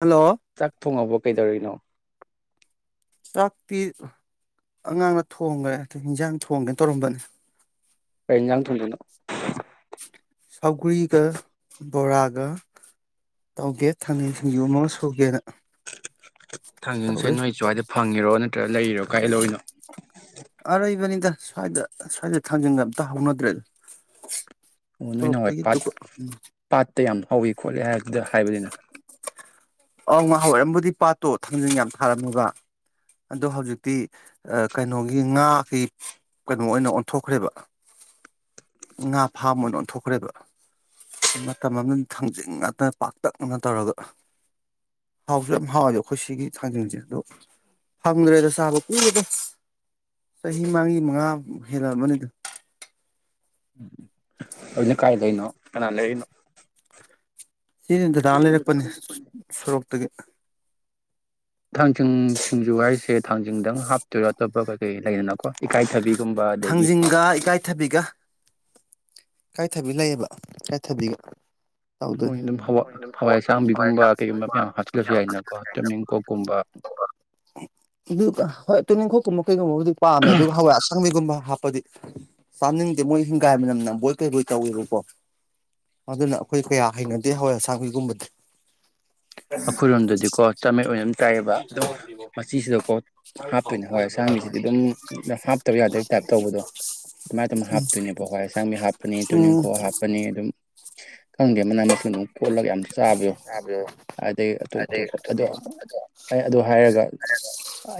hello ꯆꯥꯛ ꯊꯣꯡꯉꯕ ꯀꯩꯗꯧꯔꯤꯅꯣ ꯆꯥꯛꯇꯤ ꯑꯉꯥꯡꯅ ꯊꯣꯡꯒꯔ‌ꯦ ꯍ‌ꯦꯟꯖꯥꯡ ꯊꯣꯡꯒ‌ꯦ ꯇꯧꯔꯝꯕꯅꯦ ꯀꯩꯖꯥꯡ ꯊꯨꯡꯗꯅꯣ ꯁꯧꯒꯔꯤꯒ ꯕꯣꯔꯥꯒ ꯇꯧꯒꯦ ꯊꯥꯅ ꯁꯤꯡꯖꯨ ꯑꯃ ꯁꯨꯒꯦꯅ ꯊꯥꯡꯖꯤꯡꯁꯦ ꯇꯧꯔꯤ ꯅꯣꯏ ꯁ꯭ꯋꯥꯏꯗ ꯐꯪꯉꯔꯣ ꯅ ꯈ ꯂꯩꯔꯣ ꯀꯥꯏꯂꯅꯣ ꯗ ꯁ꯭ꯋꯥꯏꯗ ꯁ꯭ꯋꯥꯏꯗ ꯊꯥꯡꯖꯤꯡꯒ ꯑꯝꯇ ꯍꯧꯅꯗ꯭ꯔꯦꯗ ꯑꯣ ꯅꯣꯏ ꯅꯥꯟꯋꯥꯏ ꯁꯣꯔꯣꯛꯇꯒꯤ ꯄꯥꯠ ꯗꯨꯒ ꯎꯝ ꯄꯥꯠꯇ ꯌꯥꯝ ꯍꯧꯋꯤ ꯈꯣꯠꯂꯤꯦ ꯍꯥꯏꯗꯨꯗ ꯍꯥꯏꯕꯅꯤꯅ ꯑꯧ ꯉꯍ ꯑꯣꯏꯔꯝꯕꯨꯗꯤ ꯄꯥꯠꯇꯣ ꯊꯥꯡꯖꯤꯟ ꯌꯥꯝ ꯊꯥꯔꯝꯂꯅꯕ ꯑꯗꯣ ꯍꯧꯖꯤꯛꯇꯤ ꯀꯩꯅꯣꯒꯤ ꯑꯩꯈꯣꯏꯒꯤ ꯉꯥꯈꯩ ꯀꯩꯅꯣ ꯑꯣꯏꯅ ꯑꯣꯟꯊꯣꯛꯈ꯭ꯔꯦꯕ ꯉꯥ ꯐꯥꯝ ꯑꯣꯏꯅ ꯑꯣꯟꯊꯣꯛꯈ꯭ꯔꯦꯕ ꯃꯇꯝ ꯑꯃꯗ ꯊꯥꯡꯖꯤꯡ ꯉꯥꯛꯇꯅ ꯄꯥꯛꯇꯛꯅꯅ ꯇꯧꯔꯒ ꯍꯥꯎꯁꯨ ꯌꯥꯝ ꯍꯥꯎꯋꯦꯕ ꯑꯩꯈꯣꯏ ꯁꯤꯒꯤ ꯊꯥꯡꯖꯤꯡꯁꯦ ꯑꯗꯣ ꯐꯪꯗ꯭ꯔꯦꯗ ꯆꯥꯕ ꯀꯔꯗ ꯆꯍꯤ ꯃꯥꯡꯒꯤ ꯃꯉꯥ ꯍꯦꯜꯂꯛꯑꯕꯅꯤ ꯑꯗꯨ ꯑꯗꯨꯅ ꯀꯥꯏ ꯂꯩꯩꯅꯣ ꯀꯅꯥ ꯂꯩꯩꯅꯣ ꯁꯤꯅꯤ ꯗꯗꯥ ꯂꯩꯔꯛꯄꯅꯦ ꯁꯣꯔꯣꯛ ꯇꯒꯤꯦ ꯊꯥꯡꯖꯤꯡ ꯁꯤꯡꯖꯨ ꯍꯥꯏꯔꯤꯁꯦ ꯊꯥꯡꯖꯤꯡꯗꯪ ꯍꯥꯞꯇꯣꯏꯔꯥ ꯑꯇꯣꯞꯄ ꯀꯩ ꯀꯩ ꯂꯩꯗꯅꯀꯣ ꯏꯀꯥꯏꯊꯕꯤ ꯊꯥꯡꯖꯤꯡꯒ ꯏꯀꯥꯏꯊꯕꯤꯒ ꯏꯀꯥꯏꯊꯕꯤ ꯂꯩꯌꯦꯕ ꯏꯀꯥꯏꯊꯕꯤꯒ ꯃꯣꯏ ꯇꯧꯗꯣꯏꯅꯦ ꯑꯗꯨꯝ ꯍꯋꯥꯏ ꯑꯁꯥꯡꯕꯤꯒꯨꯝꯕ ꯀꯩꯒꯨꯝꯕ ꯃꯌꯥꯝ ꯍꯥꯞꯆꯤꯂꯁꯨ ꯌꯥꯏꯗꯅꯀꯣ ꯇꯤꯃꯤꯡ ꯀꯣꯛꯀꯨꯝꯕ ꯇꯨꯅꯤꯡꯈꯣꯛ ꯀꯩꯒꯨꯝꯕꯕꯨꯗꯤ ꯄꯥꯝꯃꯦ ꯑꯗꯨꯒ ꯍꯋꯥꯏ ꯑꯁꯪꯕꯤꯒꯨꯝꯕ ꯄꯗꯤ ꯆꯥꯝꯅꯤꯡꯗꯦ ꯃꯣꯏ ꯍꯤꯡꯒꯥꯏꯕꯅꯝ ꯕꯣꯏ ꯀꯩ ꯀꯩ ꯇꯧꯔꯨꯔꯕꯔ‌ꯣ ꯑꯗꯨꯅ ꯑꯩꯈꯣꯏ ꯀꯌꯥ ꯍꯩꯅꯗꯦ ꯍꯋꯥꯏ ꯑꯁꯥꯡꯕꯤꯒꯨꯝꯕꯗꯤ ꯑꯩꯈꯣꯏꯔꯣꯝꯗꯗꯤꯀꯣ ꯆꯥꯃꯦꯩ ꯑꯣꯏꯅꯝ ꯆꯥꯏꯑꯕ ꯑꯗꯨꯝ ꯃꯆꯤꯁꯤꯗꯀꯣ ꯍꯥꯞꯇꯣꯏꯅꯦ ꯍꯋꯥꯏ ꯑꯁꯥꯡꯕꯤꯁꯤꯗꯤ ꯑꯗꯨꯝ ꯍꯥꯞꯇꯕ ꯌꯥꯗꯕ ꯇꯥꯏꯞ ꯇꯧꯕꯗꯣ ꯑꯗꯨꯃꯥꯏꯅ ꯇꯅ ꯍꯥꯞꯇꯣꯏꯅꯦꯕ ꯍꯋꯥꯏ ꯑꯁꯥꯡꯕꯤ ꯍꯥꯞ ꯍꯥꯄꯅꯤ ꯎꯝ ꯇꯨꯅꯤꯡꯈꯣꯛ ꯍꯥꯞꯄꯅꯤ ꯑꯗꯨꯝ ꯈꯪꯗꯦ ꯃꯅꯥ ꯃꯁꯤꯡ ꯑꯗꯨꯝ ꯀꯣꯠꯂꯒ ꯌꯥꯝ ꯆꯥꯕ ꯌꯣ ꯑꯗꯒꯤ ꯑꯇꯣꯞ ꯑꯇꯣꯞꯄ ꯑꯗꯣ ꯑꯗꯨ ꯍꯥꯏꯔꯒ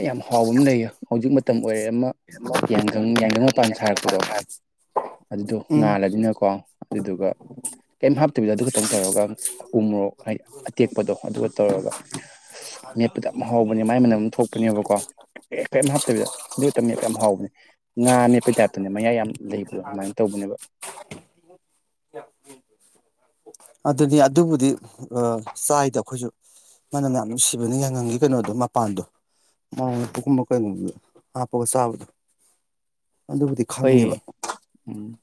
ꯌꯥꯝ ꯍꯥꯎꯕ ꯑꯃ ꯂꯩꯌꯦ ꯍꯧꯖꯤꯛ ꯃꯇꯝ ꯑꯣꯏꯔꯦ ꯑꯃ ꯌꯥꯏꯒꯪ ꯌꯥꯏꯈꯪ ꯃꯄꯥꯟ ꯁꯥꯔꯛꯄꯗꯣ ꯑꯗꯨꯗꯣ ꯎꯝ ꯉꯥꯜꯂꯅꯤꯅꯀꯣ ꯑꯗꯨꯗꯨꯒ ꯀꯩꯝ ꯍꯥꯞꯇꯕꯤꯗ ꯑꯗꯨ ꯈꯇꯪ ꯇꯧꯔꯒ ꯎꯃꯣꯔꯣꯛ ꯍꯥꯏꯗꯤ ꯑꯇꯦꯛꯄꯗꯣ ꯑꯗꯨꯒ ꯇꯧꯔꯒ ꯃꯦꯞꯄꯗꯣ ꯌꯥꯝ ꯍꯥꯎꯕꯅꯦ ꯃꯥꯏ ꯃꯅꯝ ꯑꯃ ꯊꯣꯛꯄꯅꯦꯕꯀꯣ ꯀꯩꯝ ꯍꯥꯞꯇꯕꯤꯗ ꯑꯗꯨꯛꯇ ꯃꯦꯞꯄ ꯌꯥꯝ ꯍꯥꯎꯕꯅꯦ ꯉꯥ ꯃꯦꯞꯄꯩ ꯇꯥꯏꯞꯇꯅꯦ ꯃꯌꯥꯏ ꯌꯥꯝ ꯂꯩꯕꯗꯣ ꯑꯗꯨꯃꯥꯏꯅ ꯇꯧꯕꯅꯦꯕ ꯑꯗꯨꯅꯤ ꯑꯗꯨꯕꯨꯗꯤ ꯆꯥꯏꯗ ꯑꯩꯈꯣꯏꯁꯨ ꯃꯅꯝ ꯃ ꯌꯥꯝ ꯅꯨꯡꯁꯤꯕꯅꯦ ꯌꯥꯉꯪꯡꯒꯤ ꯀꯩꯅꯣꯗꯣ ꯃꯄꯥꯟꯗꯣ ꯃꯣꯔꯣꯛ ꯃꯄꯣꯛꯒꯨꯝꯕ ꯀꯩꯅꯣꯗ ꯍꯥꯞꯄꯒ ꯆꯥꯕꯗꯣ ꯑꯗꯨꯕꯨꯗꯤ ꯑꯩꯈꯣꯏ ꯈꯪꯉꯦꯕ ꯎꯝ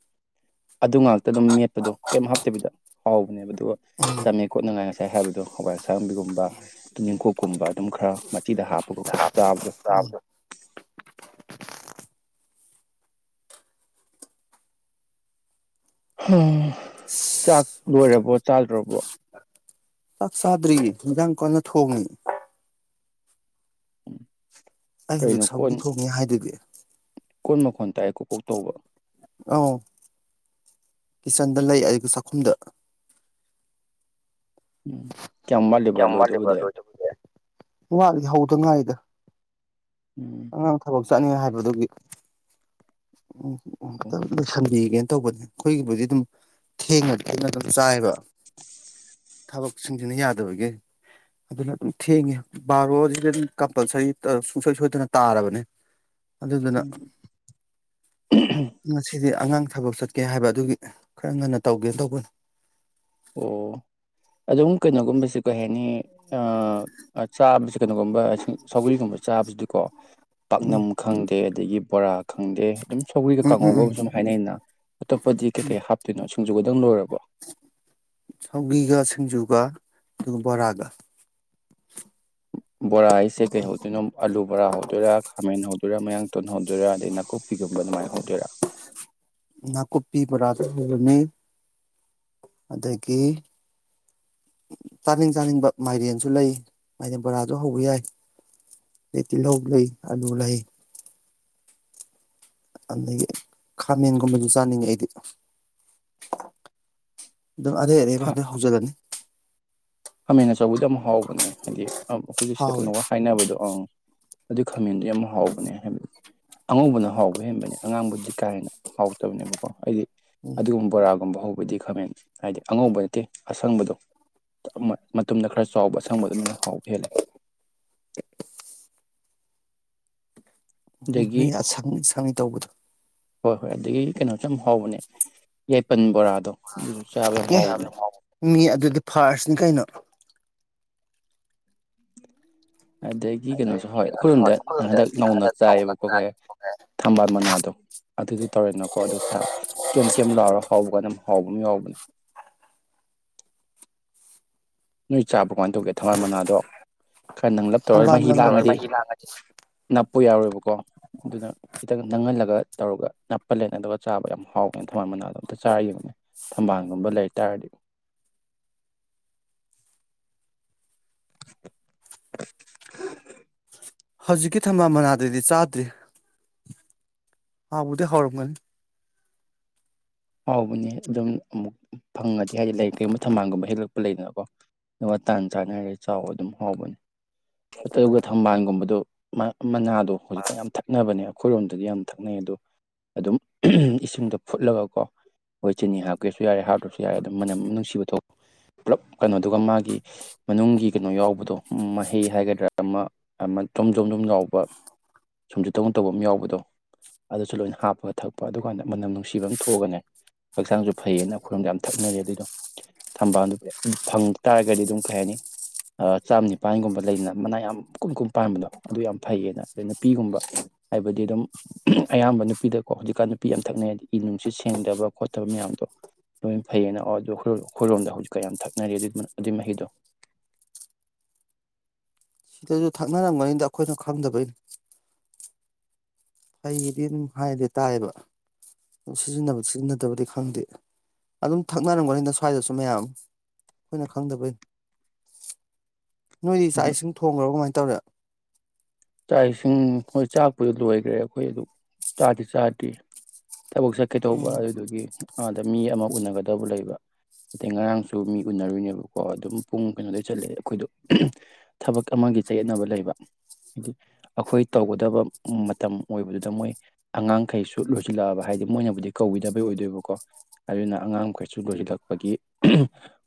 ꯑꯗꯨ ꯉꯥꯛꯇ ꯑꯗꯨꯝ ꯃꯦꯠꯄꯗꯣ ꯀꯩꯝ ꯍꯥꯞꯇꯕꯤꯗ ꯍꯥꯎꯕꯅꯦꯕ ꯑꯗꯨꯒ ꯇꯝꯃꯦ ꯈꯣꯠꯅꯉꯥꯏꯅꯦ ꯀꯩ ꯍꯥꯏꯕ ꯑꯗꯣ ꯍꯋꯥꯏ ꯑꯁꯥꯡꯕꯤꯒꯨꯝꯕ ꯌꯦꯡꯀꯣꯛꯀꯨꯝꯕ ꯑꯗꯨꯝ ꯈꯔ ꯁꯤꯗ ꯍꯥꯞꯄꯒꯀꯣ ꯆꯥꯕꯗꯣ ꯆꯥꯛ ꯂꯣꯏꯔꯕꯣ ꯆꯥꯗ꯭ꯔꯕꯣ ꯆꯥꯛ ꯆꯥꯗ꯭ꯔꯤ ꯃꯖꯥꯡ ꯀꯣꯟꯅ ꯊꯣꯡꯅꯤ ꯑꯩ ꯍꯧꯖꯤꯛ ꯀꯩꯅꯣ ꯀꯣꯟ ꯁꯥꯎꯒꯤ ꯊꯣꯡꯉꯦ ꯍꯥꯏꯗꯨꯗꯤ ꯀꯣꯟ ꯃꯈꯣꯟ ꯗꯥꯥꯏ ꯀꯣꯄꯣꯛ ꯇꯧꯕ ꯑꯧ ꯀꯤꯠꯆꯟꯗ ꯂꯩ ꯑꯗꯨꯒ ꯆꯥꯛꯈꯨꯝꯗ ꯎꯝ ꯀꯌꯥꯝ ꯋꯥꯠꯂꯤꯕ ꯂꯣꯏꯗꯧꯕꯗꯤ ꯍꯧꯗ ꯉꯥꯏꯔꯤ ꯎꯝ [unintelligible] ꯑꯉꯥꯡ ꯊꯕꯛ ꯆꯠꯅꯤ ꯍꯥꯏꯕꯗꯨꯒꯤ ꯎꯝꯁꯟꯕꯤ ꯀꯩꯅꯣ ꯇꯧꯕꯅꯦ ꯑꯩꯈꯣꯏꯒꯤꯕꯨꯗꯤ ꯑꯗꯨꯝ ꯊꯦꯡꯅꯗꯤ ꯑꯩꯅ ꯑꯗꯨꯝ ꯆꯥꯏꯕ [unintelligible] ꯊꯕꯛꯁꯤꯡꯁꯤꯅ ꯌꯥꯗꯕꯒꯤ ꯑꯗꯨꯅ ꯑꯗꯨꯝ ꯊꯦꯡꯉꯦ ꯕꯥꯔꯣꯁꯤꯗ ꯑꯗꯨꯝ ꯀꯝꯄꯜꯁꯔꯤ ꯁꯨꯡꯁꯣꯏ ꯁꯣꯏꯗꯅ ꯇꯥꯔꯕꯅꯦ ꯑꯗꯨꯗꯨꯅ ꯉꯁꯤꯗꯤ ꯑꯉꯥꯡ ꯊꯕꯛ ꯆꯠꯀꯦ ꯍꯥꯏꯕ ꯑꯗꯨꯒꯤ ꯈꯔ ꯉꯟꯅ ꯇꯧꯒꯦꯅ ꯇꯧꯕꯅꯤ ꯑꯣ ꯑꯗꯨꯝ ꯀꯩꯅꯣꯒꯨꯝꯕꯁꯦ ꯀꯩ ꯍꯥꯏꯅꯤ ꯆꯥꯕꯁꯤ ꯀꯩꯅꯣꯒꯨꯝꯕ ꯁꯧꯒ꯭ꯔꯤꯒꯨꯝꯕ ꯆꯥꯕꯁꯤꯗꯤꯀꯣ ꯎꯝ ꯄꯥꯛꯅꯝ ꯈꯪꯗꯦ ꯑꯗꯒꯤ ꯕꯣꯔꯥ ꯈꯪꯗꯦ ꯑꯗꯨꯝ ꯁꯧꯒ꯭ꯔꯤꯒ ꯎꯝ ꯎꯝ ꯎꯝ ꯀꯥꯡꯉꯧꯒ ꯁꯨꯝ ꯍꯥꯏꯅꯩꯩꯅ ꯞꯄꯖꯤ ꯀꯩ ꯍꯥꯞꯇꯅꯣ ꯨꯒꯗꯪ ꯂꯣꯏꯔꯕ ꯁꯧꯒꯤꯒ ꯁꯤꯡꯖꯨꯒ ꯑꯗꯨꯒ ꯕꯣꯔꯥꯒ ꯕꯣꯔꯥ ꯍꯥꯏꯁꯦ ꯀꯩꯍꯧꯗꯣꯏꯅꯣ ꯑꯂꯨ ꯕꯣꯔꯥ ꯍꯧꯗꯣꯏꯔꯥ ꯈꯥꯃꯦꯟ ꯍꯧꯗꯣꯏꯔꯥ ꯃꯌꯥꯡꯇꯣꯟ ꯍꯧꯗꯣꯏꯔꯥ ꯑꯗꯩ ꯅꯥꯀꯨꯞꯄꯤꯒꯨꯝꯕ ꯑꯗꯨꯃꯥꯏꯅ ꯍꯧꯗꯣꯏꯔꯥ ꯅꯥꯀꯨꯞꯄꯤ ꯕꯣꯔꯥꯁꯨ ꯍꯧꯔꯅꯤ ꯑꯗꯒꯤ ꯆꯥꯅꯤꯡ ꯆꯥꯅꯤꯡꯕ ꯃꯥꯏꯔꯦꯟꯁꯨ ꯂꯩ ꯃꯥꯏꯔꯦꯟ ꯕꯣꯔꯥꯁꯨ ꯍꯧꯕ ꯌꯥꯏ ꯑꯗꯩ ꯇꯤꯜꯍꯧ ꯂꯩ ꯑꯂꯨ ꯂꯩ ꯑꯗꯒꯤ ꯈꯥꯃꯦꯟꯒꯨꯝꯕꯁꯨ ꯆꯥꯅꯤꯡꯉꯦ ꯑꯩꯗꯤ ꯑꯗꯨꯝ ꯑꯔꯩ ꯑꯔꯩꯕ ꯍꯧꯖꯜꯂꯅꯤ ꯈꯃꯦꯦꯟ ꯑꯆꯧꯕꯗꯤ ꯌꯥꯝ ꯍꯥꯎꯕꯅꯦ ꯍꯥꯏꯗꯤ ꯑ ꯑꯩꯈꯣꯏꯒꯤ ꯁꯤꯗ ꯍꯥꯎꯋꯦ ꯀꯩꯅꯣꯒ ꯍꯥꯏꯅꯕꯗꯣ ꯑꯪ ꯑꯗꯨ ꯈꯥꯃꯦꯟꯗꯨ ꯌꯥꯝ ꯍꯥꯎꯕꯅꯦ ꯍꯥꯏꯕꯗꯤ ꯑꯉꯧꯕꯅ ꯍꯥꯎꯕ ꯍꯦꯟꯕꯅꯦ ꯑꯉꯥꯡꯕꯨꯗꯤ ꯀꯥ ꯍꯦꯟꯅ ꯍꯥꯎꯇꯕꯅꯦꯕꯀꯣ ꯑꯩꯗꯤ ꯎꯝ ꯑꯗꯨꯒꯨꯝꯕꯔꯥ ꯀꯝꯕ ꯍꯧꯕꯗꯤ ꯈꯝꯃꯦ ꯍꯥꯏꯗꯤ ꯑꯉꯧꯕ ꯅꯠꯇꯦ ꯑꯁꯪꯕꯗꯣ ꯃꯇꯨꯝꯗ ꯈꯔ ꯆꯥꯎꯕ ꯑꯁꯪꯕ ꯑꯗꯨꯗꯨꯅ ꯍꯥꯎꯕ ꯍꯦꯜꯂꯦ ꯑꯗꯒꯤ ꯎꯝ ꯁꯪꯂꯤ ꯁꯪꯂꯤ ꯇꯧꯕꯗꯣ ꯍꯣꯏ ꯍꯣꯏ ꯑꯗꯨꯗꯒꯤ ꯀꯩꯅꯣꯁꯨ ꯌꯥꯝ ꯍꯥꯎꯕꯅꯦ ꯌꯥꯏꯄꯟ ꯕꯣꯔꯥꯗꯣ ꯑꯗꯨꯁꯨ ꯆꯥꯕ ꯌꯥꯝ ꯍꯥꯎꯕꯅꯦ ꯃꯤ ꯑꯗꯨꯗꯤ ꯐꯥꯔꯁ ꯆꯤꯡꯈꯩꯅ ꯑꯗꯩ ꯁꯤ ꯀꯩꯅꯣꯁꯨ ꯍꯣꯏ ꯑꯩꯈꯣꯏꯔꯣꯝꯗ ꯍꯟꯗꯛ ꯅꯧꯅ ꯆꯥꯏꯌꯦꯕꯀꯣ ꯀꯩ ꯊꯝꯕꯥꯜ ꯃꯅꯥꯗꯣ ꯑꯗꯨꯗꯣ ꯇꯧꯔꯦꯅꯀꯣ ꯑꯗꯨ ꯀꯦꯝ ꯀꯦꯝ ꯂꯥꯎꯔ ꯍꯥꯎꯕ ꯀꯥꯟ ꯑꯗꯨꯝ ꯍꯥꯎꯕ ꯑꯃ ꯌꯥꯎꯕꯅꯦ ꯅꯣꯏ ꯆꯥ ꯄ꯭ꯔꯔꯀꯥꯟ ꯇꯧꯒꯦ ꯊꯝꯕꯥꯜ ꯃꯅꯥꯗꯣ ꯈꯔ ꯅꯪꯂꯂꯞ ꯇꯧꯔꯒ ꯊꯝꯕꯥꯜ ꯃꯍꯤ ꯂꯥꯡꯉꯗꯤ ꯃꯅꯥꯗꯤ ꯅꯞꯄ ꯌꯥꯎꯔꯣꯏꯕꯀꯣ ꯑꯗꯨꯅ ꯈꯤꯇꯪ ꯅꯪꯍꯜꯂꯒ ꯇꯧꯔꯒ ꯅꯞꯄꯜꯂꯦꯅ ꯑꯗꯨꯒ ꯆꯥꯕ ꯌꯥꯝ ꯍꯥꯎꯋꯦꯅ ꯊꯝꯕꯥꯜ ꯃꯅꯥꯗꯣ ꯑꯝꯇ ꯆꯥꯔ ꯌꯦꯡꯉꯣ ꯊꯝꯕꯥꯜꯒꯨꯝꯕ ꯂꯩ ꯇꯥꯔꯗꯤ ꯍꯧꯖꯤꯛꯀꯤ ꯊꯝꯕꯥꯜ ꯃꯅꯥꯗꯗꯤ ꯆꯥꯗ꯭ꯔꯤ ꯑꯕꯨꯗꯤ ꯍꯔꯝꯒ ꯍꯥꯎꯕꯅꯦ ꯑꯗꯨꯝ ꯑꯃꯨꯛ ꯐꯪꯒꯅꯤ ꯑ ꯍꯥꯏꯗꯤ ꯂꯥꯏꯔꯤꯩꯒꯨꯝ ꯊꯝꯃꯜꯒꯨꯝ ꯍꯦꯜꯂꯛ ꯂꯩꯗꯅꯀꯣ ꯑꯗꯨꯒ ꯇꯥꯟ ꯆꯥꯅ ꯍꯥꯏꯔꯦ ꯆꯥꯎꯕ ꯑꯗꯨꯝ ꯍꯥꯎꯕꯅꯦ ꯑ ꯇ [unintelligible] ꯊꯝꯕꯥꯜꯒꯨꯝꯕꯗ ꯃꯅꯥ ꯑꯗꯣ ꯍꯧꯖꯤꯛꯀꯥꯟ ꯌꯥꯝ ꯊꯛꯅꯕꯅꯦꯕ ꯑꯩꯈꯣꯏꯔꯣꯝꯗꯗꯤ ꯌꯥꯝ ꯊꯛꯅꯩ ꯑꯗꯣ ꯑꯗꯨꯝ ꯏꯁꯤꯡꯗꯣ ꯐꯨꯠꯂꯒꯀꯣ ꯃꯣꯏ ꯆꯤꯅꯤ ꯍꯥꯞꯀꯦꯁꯨ ꯌꯥꯔꯦ ꯍꯥꯞꯇ꯭ꯔꯕꯁꯨ ꯌꯥꯔꯦ ꯑꯗꯨꯝ ꯃꯅꯝ ꯅꯨꯡꯁꯤꯕ ꯊꯣꯛ ꯄꯨꯂꯞ ꯀꯩꯅꯣꯗꯨꯒ ꯃꯥꯒꯤ ꯃꯅꯨꯡꯒꯤ ꯀꯩꯅꯣ ꯌꯥꯎꯕꯗꯣ ꯃꯍꯩ ꯍꯥꯏꯒꯗ꯭ꯔꯥ ꯑꯃ ꯑꯃ ꯆꯣꯝ ꯖꯣꯝ ꯖꯣꯝ ꯌꯥꯎꯕ ꯁꯨꯝꯁꯨꯨ ꯇꯧ ꯇꯧꯕ ꯑꯃ ꯌꯥꯎꯕꯗꯣ ꯑꯗꯨꯁꯨ ꯂꯣꯏꯅ ꯍꯥꯞꯄꯒ ꯊꯛꯄ ꯑꯗꯨꯀꯥꯟꯗ ꯃꯅꯝ ꯅꯨꯡꯁꯤꯕ ꯑꯃ ꯊꯣꯛꯑꯒꯅꯦ ꯍꯛꯆꯥꯡꯁꯨ ꯐꯩꯌꯦꯅ ꯑꯩꯈꯣꯏꯔꯣꯝꯗ ꯌꯥꯝ ꯊꯛꯅꯔꯦ ꯑꯗꯨꯏꯗꯣ ꯊꯝꯕꯥꯜꯗꯨ ꯑꯗꯨ ꯐꯪ ꯇꯥꯔꯒꯗꯤ ꯑꯗꯨꯝ ꯀꯩ ꯍꯥꯏꯅꯤ ꯆꯥꯝ ꯅꯤꯄꯥꯟꯒꯨꯝꯕ ꯂꯩꯗꯅ ꯃꯅꯥ ꯌꯥꯝ ꯀꯨꯝ ꯀꯨꯝ ꯄꯥꯟꯕꯗꯣ ꯑꯗꯨ ꯌꯥꯝ ꯐꯩꯌꯦꯅ ꯑꯗꯩ ꯅꯨꯄꯤꯒꯨꯝꯕ ꯍꯥꯏꯕꯗꯤ ꯑꯗꯨꯝ ꯑꯌꯥꯝꯕ ꯅꯨꯄꯤꯗꯀꯣ ꯍꯧꯖꯤꯛꯀꯥꯟ ꯅꯨꯄꯤ ꯌꯥꯝ ꯊꯛꯅꯩ ꯍꯥꯏꯗꯤ ꯏ ꯅꯨꯡꯁꯤꯠ ꯁꯦꯡꯗꯕ ꯈꯣꯠꯇꯕ ꯃꯌꯥꯝꯗꯣ ꯂꯣꯏ ꯐꯩꯌꯦꯅ ꯑꯗꯨ ꯑꯩꯈꯣꯏꯔꯣꯝꯗ ꯍꯧꯖꯤꯛꯀ ꯌꯥꯝ ꯊꯛꯅꯔꯤ ꯑꯗꯨꯏ ꯃꯍꯤꯗꯣ ꯑꯗꯨꯁꯨ ꯊꯛꯅꯔꯝꯒꯅꯤꯗ ꯑꯩꯈꯣꯏꯅ ꯈꯪꯗꯕꯩꯅꯤ ꯐꯩꯗꯤ ꯑꯗꯨꯝ ꯍꯥꯏꯔꯗꯤ ꯇꯥꯏꯌꯦꯕ ꯑꯗꯨ ꯁꯤꯖꯤꯟꯅꯕ ꯁꯤꯖꯤꯟꯅꯗꯕꯗꯤ ꯈꯪꯗꯦ ꯑꯗꯨꯝ ꯊꯛꯅꯔꯝꯒꯅꯤꯅ ꯁ꯭ꯋꯥꯏꯗꯁꯨ ꯃꯌꯥꯝ ꯑꯩꯈꯣꯏꯅ ꯈꯪꯗꯕꯩꯅꯤ ꯅꯣꯏꯗꯤ ꯆꯥꯛ ꯏꯁꯤꯡ ꯊꯣꯡꯈ꯭ꯔꯣ ꯀꯃꯥꯏꯅ ꯇꯧꯔꯦ ꯆꯥꯛ ꯏꯁꯤꯡ ꯍꯣꯏ ꯆꯥꯛꯄꯗ ꯂꯣꯏꯈ꯭ꯔꯦ ꯑꯩꯈꯣꯏ ꯑꯗꯨ ꯆꯥꯗꯤ ꯆꯥꯗꯦ ꯊꯕꯛ ꯆꯠꯀꯦ ꯇꯧꯕ ꯎꯝ ꯑꯗꯨꯗꯨꯒꯤ ꯑꯥꯗ ꯃꯤ ꯑꯃ ꯎꯅꯒꯗꯕ ꯂꯩꯕ ꯑꯗꯩ ꯉꯔꯥꯡꯁꯨ ꯃꯤ ꯎꯅꯔꯨꯅꯦꯕꯀꯣ ꯑꯗꯨꯝ ꯄꯨꯡ ꯀꯩꯅꯣꯗꯩ ꯆꯠꯂꯛꯑꯦ ꯑꯩꯈꯣꯏꯗꯣ ꯊꯕꯛ ꯑꯃꯒꯤ ꯆꯌꯦꯠꯅꯕ ꯂꯩꯕ ꯍꯥꯏꯗꯤ ꯑꯩꯈꯣꯏ ꯇꯧꯒꯗꯕ ꯃꯇꯝ ꯑꯣꯏꯕꯗꯨꯗ ꯃꯣꯏ ꯑꯉꯥꯡꯈꯩꯁꯨ ꯂ ꯂꯣꯏꯁꯤꯜꯂꯛꯑꯕ ꯍꯥꯏꯗꯤ ꯃꯣꯏꯅꯕꯨꯗꯤ ꯀꯧꯤꯗꯕꯩ ꯑꯣꯏꯗꯣꯏꯕꯀꯣ ꯑꯗꯨꯅ ꯑꯉꯥꯡꯈꯩꯁꯨ ꯂꯣꯏꯁꯤꯜꯂꯛꯄꯒꯤ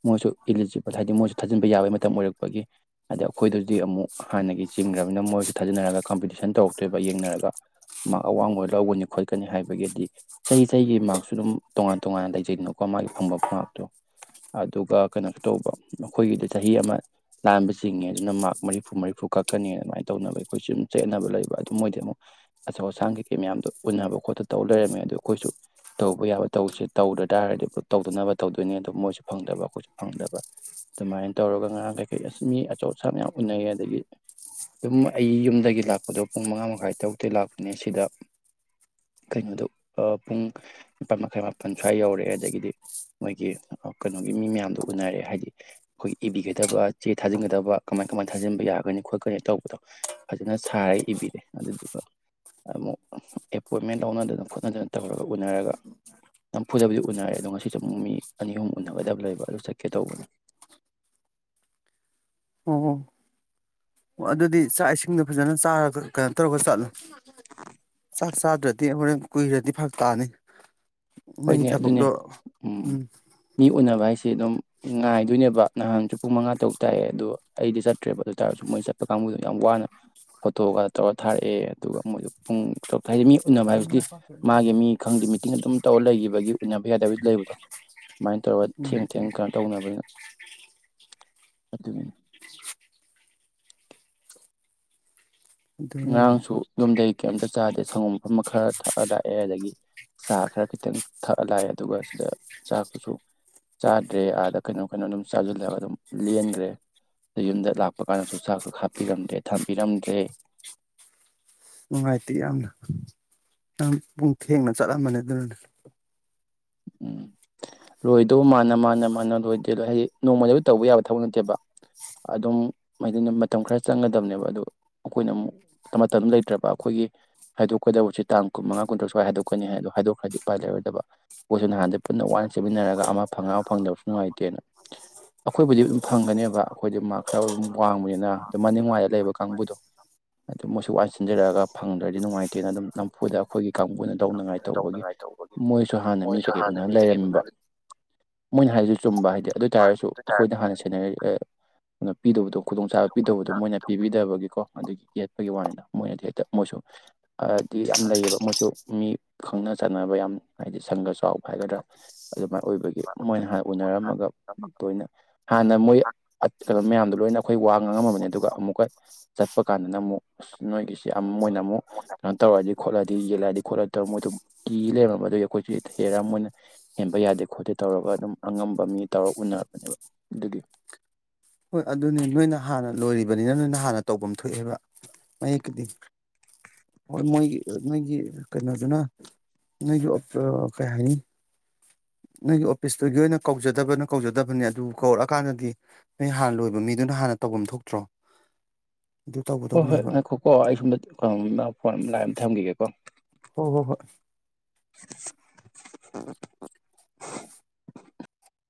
ꯃꯣꯏꯁꯨ ꯏꯂꯤꯖꯤꯕꯜ ꯍꯥꯏꯗꯤ ꯃꯣꯏꯁꯨ ꯊꯥꯖꯤꯟꯕ ꯌꯥꯕꯒꯤ ꯃꯇꯝ ꯑꯣꯏꯔꯛꯄꯒꯤ ꯍꯥꯏꯗꯗꯤ ꯑꯩꯈꯣꯏꯗꯗꯤ ꯑꯃꯨꯛ ꯍꯥꯟꯅꯒꯤ ꯆꯤꯡꯈ꯭ꯔꯕꯅꯤꯅ ꯃꯣꯏꯁꯨ ꯊꯥꯖꯅꯔꯒ ꯀꯝꯄꯤꯇꯤꯁꯟ ꯇꯧꯔꯛꯇꯣꯏꯕ ꯌꯦꯡꯅꯔꯒ ꯃꯥ ꯑꯋꯥꯡꯕ ꯂꯧꯒꯅꯤ ꯈꯣꯠꯀꯅꯤ ꯍꯥꯏꯕ ꯑꯗꯒꯤꯗꯤ ꯆꯍꯤ ꯆꯍꯤꯒꯤ ꯃꯥꯔꯛꯁꯨ ꯑꯗꯨꯝ ꯇꯣꯉꯥꯟ ꯇꯣꯉꯥꯟꯅ ꯂꯩꯖꯩꯗꯅꯀꯣ ꯃꯥꯒꯤ ꯐꯪꯕ ꯃꯥꯔꯛꯇꯣ ꯑꯗꯨꯒ ꯀꯩꯅꯣ ꯇꯧꯕ ꯑꯩꯈꯣꯏꯒꯤꯗ ꯆꯍꯤ ꯑꯃ ꯂꯥꯟꯕ ꯆꯤꯡꯉꯦ ꯑꯗꯨꯅ ꯃꯥꯔꯛ ꯃꯔꯤꯐꯨ ꯃꯔꯤꯐꯨ ꯀꯛꯀꯅꯤ ꯑꯗꯨꯃꯥꯏꯅ ꯇꯧꯅꯕ ꯑꯩꯈꯣꯏꯁꯨ ꯑꯗꯨꯝ ꯆꯦꯠꯅꯕ ꯂꯩꯕ ꯑꯗꯨꯝ ꯃꯣꯏꯗꯤ ꯑꯃꯨꯛ ꯑꯆꯧ ꯑꯁꯥꯡ ꯀꯩꯀꯩ ꯃꯌꯥꯝꯗꯣ ꯎꯅꯕ ꯈꯣ ꯇꯧ ꯂꯩꯔꯝꯃꯦ ꯑꯗꯨ ꯑꯩꯈꯣꯏꯁꯨ ꯇꯧꯕ ꯌꯥꯕ ꯇꯧꯁꯦ ꯇꯧꯗ ꯇꯥꯔꯗꯤ ꯇꯧꯗꯅꯕ ꯇꯧꯗꯣꯏꯅꯦ ꯑꯗꯨꯣ ꯃꯣꯏꯁꯨ ꯐꯪꯗꯕ ꯑꯩꯈꯣꯏꯁꯨ ꯐꯪꯗꯕ ꯑꯗꯨꯃꯥꯏꯅ ꯇꯧꯔꯒ ꯉꯔꯥꯡ ꯀꯩꯀꯩ ꯑꯁ ꯃꯤ ꯑꯆꯧ ꯑꯁꯥꯡ ꯃꯌꯥꯝ ꯎꯅꯩ ꯑꯗꯒꯤ ꯑꯗꯨꯝ ꯑꯩ ꯌꯨꯝꯗꯒꯤ ꯂꯥꯛꯄꯗꯣ ꯄꯨꯡ ꯃꯉꯥ ꯃꯈꯥꯏ ꯇꯧꯗꯦ ꯂꯥꯛꯄꯅꯦ ꯁꯤꯗ ꯀꯩꯅꯣꯗꯣ ꯄꯨꯡ ꯅꯤꯄꯥꯜ ꯃꯈꯥꯏ ꯃꯥꯄꯜ ꯁ꯭ꯋꯥꯏ ꯌꯧꯔꯛꯑꯦ ꯑꯗꯒꯤꯗꯤ ꯃꯣꯏꯒꯤ ꯀꯩꯅꯣꯒꯤ ꯃꯤ ꯃꯌꯥꯝꯗꯣ ꯎꯅꯔꯑꯦ ꯍꯥꯏꯗꯤ ꯑꯩꯈꯣꯏ ꯏꯕꯤꯒꯗꯕ ꯆꯦ ꯊꯥꯖꯤꯟꯒꯗꯕ ꯀꯃꯥꯏ ꯀꯃꯥꯏꯅ ꯊꯥꯖꯤꯟꯕ ꯌꯥꯒꯅꯤ ꯈꯣꯠꯀꯅꯤ ꯇꯧꯕꯗꯣ ꯐꯖꯅ ꯁꯥꯔꯒ ꯏꯕꯤꯔꯦ ꯑꯗꯨꯗꯨꯒ ꯑꯃꯨꯛ ꯄꯣꯏꯟꯃꯦꯟ ꯂꯧꯅꯗꯅ ꯈꯣꯠꯅꯗꯅ ꯇꯧꯔꯒ ꯎꯅꯔꯒ ꯅꯝꯐꯨꯗꯕꯨꯗꯤ ꯎꯅꯔꯦ ꯑꯗꯣ ꯉꯁꯤꯁꯨ ꯑꯃꯨꯛ ꯃꯤ ꯑꯅꯤ ꯑꯍꯨꯝ ꯎꯅꯒꯗꯕ ꯂꯩꯕ ꯑꯗꯨ ꯆꯠꯀꯦ ꯇꯧꯕꯅꯦ ꯑꯣ ꯑꯣ ꯑꯗꯨꯗꯤ ꯆꯥꯛ ꯏꯁꯤꯡꯗꯣ ꯐꯖꯅ ꯆꯥꯔꯒ ꯀꯩꯅꯣ ꯇꯧꯔꯒ ꯆꯠꯂꯨ ꯆꯥꯛ ꯆꯥꯗ꯭ꯔꯗꯤ ꯍꯣꯔꯦꯟ ꯀꯨꯏꯔꯗꯤ ꯐꯛ ꯇꯥꯅꯤ ꯅꯪꯒꯤ ꯍꯣꯏꯅꯦ ꯑꯗꯨꯅꯦ ꯊꯕꯛꯇꯣ ꯎꯝ ꯃꯤ ꯎꯅꯕ ꯚꯥꯏꯁꯦ ꯑꯗꯨꯝ ꯉꯥꯏꯗꯣꯏꯅꯦꯕ ꯅꯍꯥꯟꯁꯨ ꯄꯨꯡ ꯃꯉꯥ ꯇꯔꯨꯛ ꯇꯥꯛꯑꯦ ꯑꯗꯨꯗꯣ ꯑꯩꯗꯤ ꯆꯠꯇ꯭ꯔꯦꯕ ꯑꯗꯨꯇꯥꯥꯔꯁꯨ ꯃꯣꯏ ꯆꯠꯄ ꯀꯥꯡꯕꯨꯗꯣ ꯌꯥꯝ ꯋꯥꯅ ꯐꯣꯇꯣꯒ ꯇꯧꯔ ꯊꯥꯔꯛꯑꯦ ꯑꯗꯨꯒ ꯃꯣꯏꯗꯣ ꯄꯨꯡ ꯇꯔꯨꯛ ꯍꯥꯏꯗꯤ ꯃꯤ ꯎꯅꯕ ꯍꯥꯏꯕꯁꯤꯗꯤ ꯃꯥꯒꯤ ꯃꯤ ꯈꯪꯗꯦ ꯃꯤꯇꯤꯡ ꯑꯗꯨꯝ ꯑꯣ ꯂꯩꯈꯤꯕꯒꯤ ꯎꯅꯕ ꯌꯥꯗꯕ ꯂꯩꯕꯗꯣ ꯁꯨꯃꯥꯏꯅ ꯇꯧꯔꯒ ꯎꯝ ꯊꯦꯡ ꯊꯦꯡ ꯀꯩꯅꯣ ꯇꯧꯅꯕꯅ ꯑꯗꯨꯠꯇꯅ ꯑꯗꯨꯅꯤꯅꯦ ꯑꯉꯥꯡꯁꯨ ꯌꯨꯝꯗꯒꯤꯩ ꯀꯩꯝꯇ ꯆꯥꯗꯦ ꯁꯪꯒꯣꯝ ꯃꯐꯝ ꯈꯔ ꯊꯛꯑ ꯂꯥꯛꯑꯦ ꯑꯗꯒꯤ ꯆꯥ ꯈꯔ ꯈꯤꯇꯪ ꯊꯛꯑ ꯂꯥꯛꯑꯦ ꯑꯗꯨꯒ ꯁꯤꯗ ꯆꯥꯛꯇꯨꯁꯨ ꯆꯥꯗ꯭ꯔꯦ ꯑꯥꯗ ꯀꯩꯅꯣ ꯀꯩꯅꯣ ꯑꯗꯨꯝ ꯆꯥꯁꯤꯜꯂꯒ ꯑꯗꯨꯝ ꯂꯦꯟꯈ꯭ꯔꯦ ꯑꯗ ꯌꯨꯝꯗ ꯂꯥꯛꯄ ꯀꯥꯟꯗꯁꯨ ꯆꯥꯛꯁꯨ ꯍꯥꯥꯞꯄꯤꯔꯝꯗ꯭ꯔꯦ ꯊꯝꯕꯤꯔꯝꯗ꯭ꯔꯦ ꯅꯨꯡꯉꯥꯏꯇꯦ ꯌꯥꯝꯅ ꯌꯥꯝ ꯄꯨꯡ ꯊꯦꯡꯅ ꯆꯠꯂꯝꯕꯅꯦ ꯑꯗꯨꯅꯅꯦ ꯎꯝ ꯂꯣꯏꯗꯧ ꯃꯥꯅ ꯃꯥꯅ ꯃꯥꯅ ꯂꯣꯏꯗꯦ ꯑꯗꯣ ꯍꯥꯏꯗꯤ ꯅꯣꯡꯃꯗ ꯑꯗꯨ ꯇꯧꯕ ꯌꯥꯕ ꯊꯕꯛ ꯅꯠꯇꯦꯕ ꯑꯗꯨꯝ ꯃꯗꯨꯅ ꯃꯇꯝ ꯈꯔ ꯆꯪꯒꯗꯕꯅꯦꯕ ꯑꯗꯨꯗ ꯑꯩꯈꯣꯏꯅ ꯑꯃꯨꯛ ꯃꯇꯝ ꯃꯇꯝ ꯂꯩꯇ꯭ꯔꯕ ꯑꯩꯈꯣꯏꯒꯤ ꯍꯥꯏꯗꯣꯛꯀꯗꯕꯁꯦ ꯇꯥꯡ ꯀꯨꯟ ꯃꯉꯥ ꯀꯨꯟꯇ꯭ꯔꯨꯛ ꯁ꯭ꯋꯥꯏ ꯍꯥꯏꯗꯣꯛꯀꯅꯤ ꯍꯥꯏ ꯑꯗꯣ ꯍꯥꯏꯗꯣꯛꯈ꯭ꯔꯗꯤ ꯎꯄꯥꯏ ꯂꯩꯔꯣꯏꯗꯕ ꯃꯈꯣꯏꯁꯨ ꯅꯍꯥꯟꯗꯩ ꯄꯨꯟꯅ ꯋꯥꯅ ꯆꯦꯃꯤꯟꯅꯔꯒ ꯑꯃ ꯐꯪꯉ ꯑꯃ ꯐꯪꯗꯕꯁꯨ ꯅꯨꯡꯉꯥꯏꯇꯦꯅ ꯑꯩꯈꯣꯏꯕꯨꯗꯤ ꯑꯗꯨꯝ ꯐꯪꯒꯅꯦꯕ ꯑꯩꯈꯣꯏꯗꯤ ꯃꯥ ꯈꯔ ꯑꯗꯨꯝ ꯋꯥꯡꯕꯅꯤꯅ ꯑꯗꯨꯝ ꯃꯅꯤꯡ ꯋꯥꯏꯗ ꯂꯩꯕ ꯀꯥꯡꯕꯨꯗꯣ ꯑꯗꯨ ꯃꯣꯏꯁꯨ ꯋꯥꯅ ꯁꯤꯟꯖꯔꯛꯑꯒ ꯐꯪꯗ꯭ꯔꯗꯤ ꯅꯨꯡꯉꯥꯏꯇꯦꯅ ꯑꯗꯨꯝ ꯅꯝꯐꯨꯗ ꯑꯩꯈꯣꯏꯒꯤ ꯀꯥꯡꯕꯨꯅ ꯂꯧꯧꯅꯉꯥꯏ ꯇꯧꯕꯒꯤ ꯃꯣꯏ ꯁꯨ ꯍꯥꯟꯅ ꯃꯤ ꯀꯩꯀꯩ ꯎꯅ ꯂꯩꯔꯝꯕ ꯃꯣꯏꯅ ꯍꯥꯏꯔꯤꯁꯨ ꯆꯨꯝꯕ ꯍꯥꯏꯗꯤ ꯑꯗꯨ ꯇꯥꯔꯒꯁꯨ ꯑꯩꯈꯣꯏꯅ ꯍꯥꯟꯅ ꯁꯦꯟꯅꯔꯤ ꯄꯤꯗꯕꯗꯣ ꯈꯨꯗꯣꯡꯆꯥꯕ ꯄꯤꯗꯕꯗꯣ ꯃꯣꯏꯅ ꯄꯤꯕꯤꯗꯕꯒꯤꯀꯣ ꯑꯗꯨꯒꯤ ꯌꯦꯠꯄꯒꯤ ꯋꯥꯅꯤꯅ ꯃꯣꯏꯅꯗꯤ ꯍꯦꯛꯇ ꯃꯣꯏꯁꯨꯗꯤ ꯌꯥꯝ ꯂꯩꯌꯦꯕ ꯃꯣꯏꯁꯨ ꯃꯤ ꯈꯪꯅ ꯆꯠꯅꯕ ꯌꯥꯝ ꯍꯥꯏꯗꯤ ꯁꯪꯒ ꯆꯥꯎꯕ ꯍꯥꯏꯒꯗ꯭ꯔꯥ ꯑꯗꯨꯃꯥꯏꯅ ꯑꯣꯏꯕꯒꯤ ꯃꯣꯏꯅ ꯍꯥꯟꯅ ꯎꯅꯔꯝꯃꯒ ꯇꯣꯏꯅ ꯍꯥꯟꯅ ꯃꯣꯏ ꯀꯩꯅꯣ ꯃꯌꯥꯝꯗꯣ ꯂꯣꯏꯅ ꯑꯩꯈꯣꯏ ꯋꯥ ꯉꯥꯡꯉꯝꯃꯕꯅꯤ ꯑꯗꯨꯒ ꯑꯃꯨꯛꯀ ꯆꯠꯄ ꯀꯥꯟꯗꯅ ꯑꯃꯨꯛ ꯅꯣꯏꯒꯤꯁꯤꯦ ꯃꯣꯏꯅ ꯑꯃꯨꯛ ꯀꯩꯅꯣ ꯇꯧꯔꯛꯑꯗꯤ ꯈꯣꯠꯂꯛꯗꯤ ꯌꯦꯜꯂꯛꯑꯗꯤ ꯈꯣꯠꯂꯗꯤ ꯇꯧꯔꯒ ꯃꯣꯏꯗꯨ ꯀꯤ ꯂꯩꯔꯝꯝꯕ ꯑꯗꯨ ꯑꯩꯈꯣꯏꯁ ꯍꯦꯔ ꯃꯣꯏꯅ ꯍꯦꯟꯕ ꯌꯥꯗꯦ ꯈꯣꯠꯇꯦ ꯇꯧꯔꯒ ꯑꯗꯨꯝ ꯑꯉꯝꯕ ꯃꯤ ꯇꯧꯔꯒ ꯎꯅꯕꯅꯦꯕ ꯑꯗꯨꯒꯤ ꯍꯣꯏ ꯑꯗꯨꯅꯤ ꯅꯣꯏꯅ ꯍꯥꯟꯅ ꯂꯣꯏꯔꯤꯕꯅꯤꯅ ꯅꯣꯏꯅ ꯍꯥꯟꯅ ꯇꯧꯐꯝ ꯊꯣꯛꯑꯦꯕ ꯃꯌꯦꯛꯛꯇꯗꯤ ꯍꯣꯏ ꯃꯣꯏꯒꯤ ꯅꯣꯏꯒꯤ ꯀꯩꯅꯣꯗꯨꯅ ꯅꯣꯏꯒꯤ ꯀꯩ ꯍꯥꯏꯅꯤ ꯅꯪꯒꯤ ꯑꯣꯐꯤꯁꯇꯨꯒꯤ ꯑꯣꯏꯅ ꯀꯧꯖꯗꯕꯅ ꯀꯧꯖꯗꯕꯅꯤ ꯑꯗꯨ ꯀꯧꯔꯛꯑꯀꯥꯟꯗꯗꯤ ꯅꯪ ꯍꯥꯟꯅ ꯂꯣꯏꯕ ꯃꯤꯗꯨꯅ ꯍꯥꯟꯅ ꯇꯧꯐꯝ ꯊꯣꯛꯇ꯭ꯔꯣ ꯑꯗꯨ ꯍꯣꯏ ꯇꯧꯒꯗꯧꯕꯅꯦ ꯍꯥꯏꯕ ꯍꯣꯏ ꯈꯣꯀꯣ ꯑꯩꯁꯨꯨꯝꯗ ꯆ ꯐꯣꯟ ꯑꯃ ꯂꯥꯛ ꯑꯃ ꯊꯝꯈꯤꯒꯦ ꯀꯣ ꯍ ꯍꯣ ꯍꯣꯏ [unintelligible]